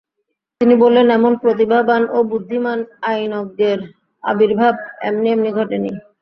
তিনি বলেছেন, "এমন প্রতিভাবান ও বুদ্ধিমান আইনজ্ঞের আবির্ভাব এমনি এমনি ঘটেনি।